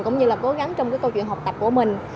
cũng như là cố gắng trong cái câu chuyện học tập của mình